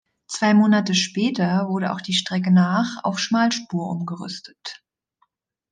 Zwei Monate später wurde auch die Strecke nach auf Schmalspur umgerüstet.